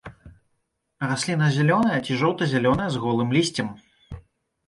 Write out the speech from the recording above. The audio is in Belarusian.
Расліна зялёная ці жоўта-зялёная з голым лісцем.